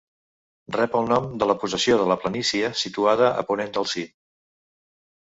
Rep el nom de la possessió de Planícia, situada a ponent del cim.